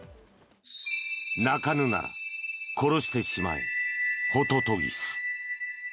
「鳴かぬなら殺してしまえホトトギス」。